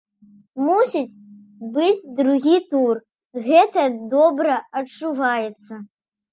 Мусіць быць другі тур, гэта добра адчуваецца.